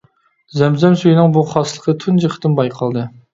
زەمزەم سۈيىنىڭ بۇ خاسلىقى تۇنجى قېتىم بايقالدى.